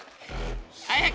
早く！